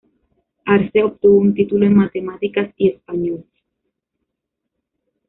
Arce obtuvo un título en Matemáticas y Español.